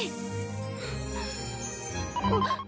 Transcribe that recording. あっ。